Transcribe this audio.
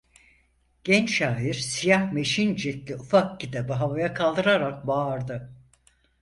Genç şair siyah meşin ciltli ufak kitabı havaya kaldırarak bağırdı.